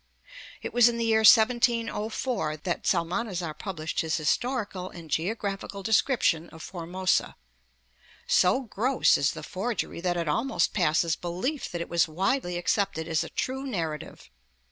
' It was in the year 1704 that Psalmanazar published his Historical and Geographical Description of Formosa. So gross is the forgery that it almost passes belief that it was widely accepted as a true narrative.